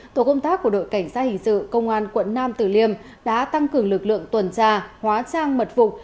tổ công tác của đội cảnh sát hình sự công an quận nam tử liêm đã tăng cường lực lượng tuần tra hóa trang mật phục